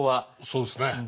そうですね。